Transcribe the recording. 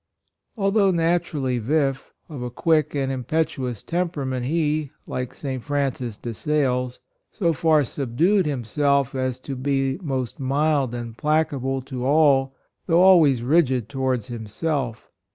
Although naturally vif — of a quick and impetuous temperament he, like St. Francis De Sales, so far subdued himself as to be most mild and placable to all though always rigid towards himself.